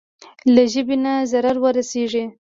له ژبې نه ضرر ورسېږي.